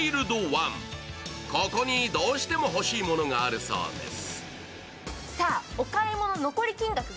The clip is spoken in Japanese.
ここにどうしても欲しいものがあるそうです。